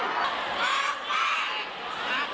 พชนโว้ย